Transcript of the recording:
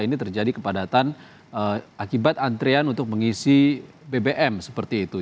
ini terjadi kepadatan akibat antrian untuk mengisi bbm seperti itu